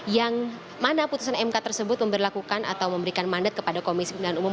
yang mana putusan mk tersebut memperlakukan atau memberikan mandat kepada komisi pemilihan umum